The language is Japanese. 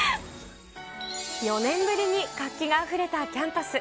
４年ぶりに活気があふれたキャンパス。